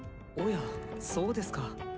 おやそうですか。